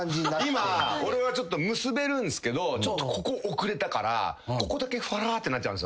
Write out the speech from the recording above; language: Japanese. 今俺は結べるんすけどここおくれたからここだけファラってなっちゃうんすよ。